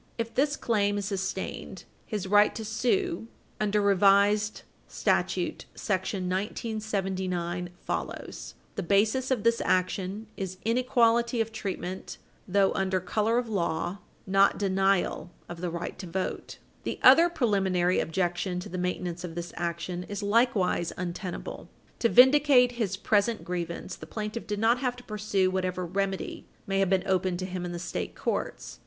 If this claim is sustained, his right to sue under R.S. § 1979 follows. The basis of this action is inequality of treatment, though under color of law, not denial of the right to vote. Compare Nixon v. Herndon, 273 U. S. 536. The other preliminary objection to the maintenance of this action is likewise untenable. To vindicate his present grievance, the plaintiff did not have to pursue whatever remedy may have been open to him in the state courts.